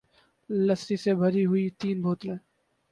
لسی سے بھری ہوئی تین بوتلیں